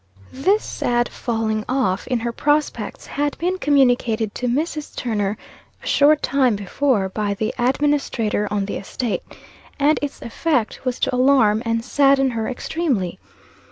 This sad falling off in her prospects, had been communicated to Mrs. Turner a short time before, by the administrator on the estate; and its effect was to alarm and sadden her extremely.